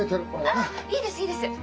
あっいいですいいです。